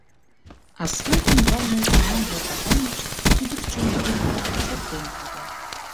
Асфальт ӱмбалне кеман йолтаганышт кӱдырчӧ мӱгырымыла шоктен кодо.